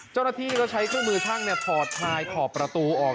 เจ้าหน้าที่ก็ใช้เครื่องมือช่างถอดทลายถอดประตูออก